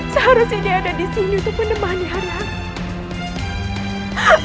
seharusnya dia ada di sini untuk menemani haram